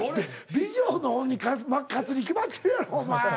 美女の方が勝つに決まってるやろお前。